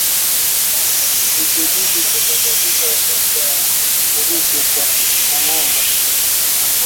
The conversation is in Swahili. Vijidudu husababisha ugonjwa wa ukurutu kwa ngombe